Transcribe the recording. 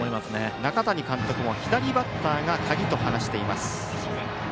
中谷監督も左バッターが鍵と話しています。